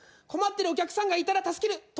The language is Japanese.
困ってるお客さんがいたら助ける。